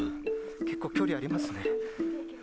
結構、距離ありますね。